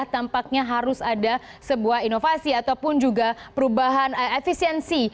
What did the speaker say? tampaknya harus ada sebuah inovasi ataupun juga perubahan efisiensi